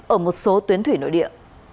ở một số tuyến thủy nội địa